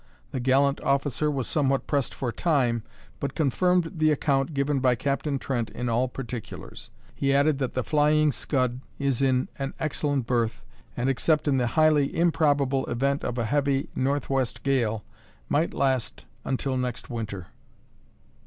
The gallant officer was somewhat pressed for time, but confirmed the account given by Captain Trent in all particulars. He added that the Flying Scud is in an excellent berth, and except in the highly improbable event of a heavy N.W. gale, might last until next winter."